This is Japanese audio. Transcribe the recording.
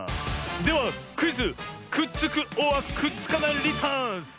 ではクイズ「くっつくｏｒくっつかないリターンズ」！